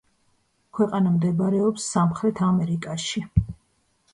ქვეყანა მდებარეობს სამხრეთ ამერიკაში.